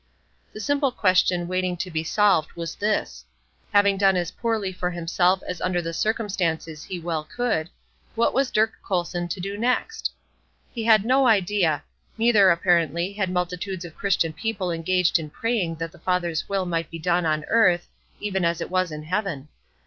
The simple question waiting to be solved was this: Having done as poorly for himself as under the circumstances he well could, what was Dirk Colson to do next? He had no idea; neither, apparently, had multitudes of Christian people engaged in praying that the Father's will might be done on earth, even as it was in heaven.